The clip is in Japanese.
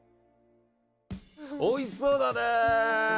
おいしそうだね！